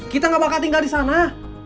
kita gak bakal tinggal disana